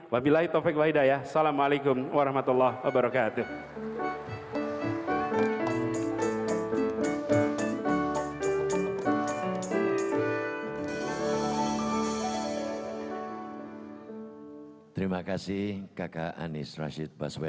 wassalamu'alaikum warahmatullah wabarakatuh